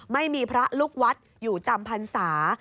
ไม่มีพระลูกวัดอยู่จำพรรษา